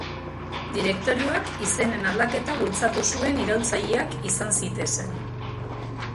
Direktorioak izenen aldaketa bultzatu zuen iraultzaileak izan zitezen.